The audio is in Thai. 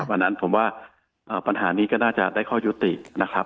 วันนั้นผมว่าปัญหานี้ก็น่าจะได้ข้อยุตินะครับ